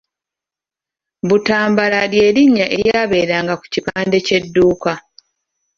Butambala lye linnya eryabeeranga ku kipande ky'edduuka.